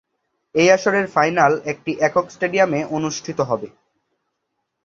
এই আসরের ফাইনাল একটি একক স্টেডিয়ামে অনুষ্ঠিত হবে।